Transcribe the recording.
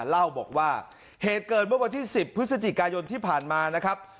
เล่าบอกว่าเหตุเกิดเมื่อวันที่๑๐พฤศจิกายนที่ผ่านมานะครับ